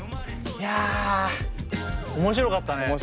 いや面白かったね。